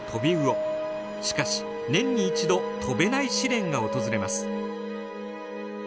しかし年に一度飛べない試練が訪れます。